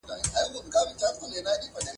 ټولنیز نظم د ګډو ارزښتونو پایله ده.